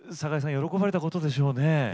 喜ばれたことでしょうね。